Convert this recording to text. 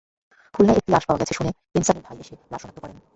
খুলনায় একটি লাশ পাওয়া গেছে শুনে ইনসানের ভাই এসে লাশ শনাক্ত করেন।